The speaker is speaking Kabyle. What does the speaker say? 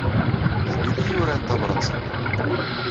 D Bill ay yuran tabṛat-nni.